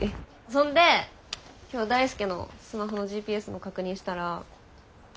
そんで今日大輔のスマホのＧＰＳの確認したら。